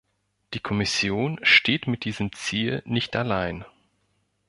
Die Kommission steht mit diesem Ziel nicht allein.